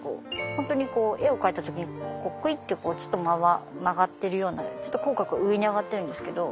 ホントに絵を描いた時にくいってちょっと曲がってるようなちょっと口角上に上がっているんですけど。